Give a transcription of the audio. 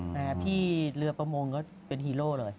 แต่พี่เรือประมงก็เป็นฮีโร่เลย